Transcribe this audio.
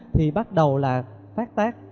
thì bắt đầu là phát tác